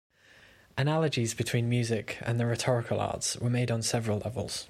Analogies between music and the rhetorical arts were made on several levels.